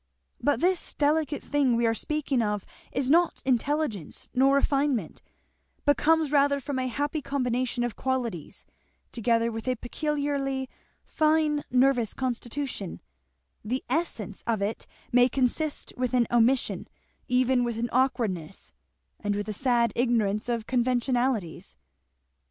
But this delicate thing we are speaking of is not intelligence nor refinement, but comes rather from a happy combination of qualities, together with a peculiarly fine nervous constitution; the essence of it may consist with an omission, even with an awkwardness, and with a sad ignorance of conventionalities."